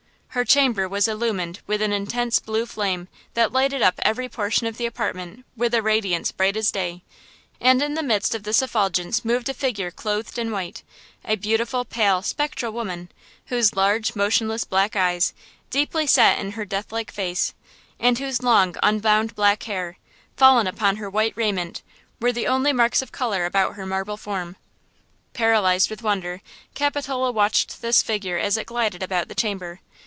Her chamber was illumined with an intense blue flame that lighted up every portion of the apartment with a radiance bright as day, and in the midst of this effulgence moved a figure clothed in white–a beautiful, pale, spectral woman, whose large, motionless black eyes, deeply set in her deathlike face, and whose long unbound black hair, fallen upon her white raiment, were the only marks of color about her marble form. Paralyzed with wonder, Capitola watched this figure as it glided about the chamber.